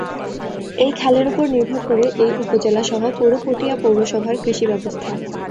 এই খালের উপর নির্ভর করে এই উপজেলা সহ পুরো পটিয়া পৌরসভার কৃষি ব্যবস্থা।